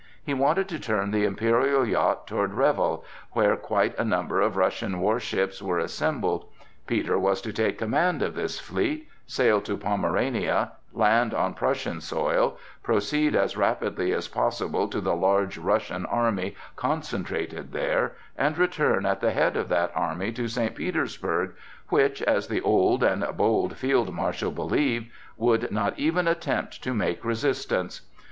He wanted to turn the imperial yacht toward Reval, where quite a number of Russian warships were assembled. Peter was to take command of this fleet, sail to Pomerania, land on Prussian soil, proceed as rapidly as possible to the large Russian army concentrated there, and return at the head of that army to St. Petersburg, which, as the old and bold field marshal believed, would not even attempt to make resistance.